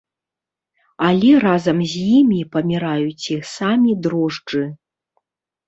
Але разам з імі паміраюць і самі дрожджы.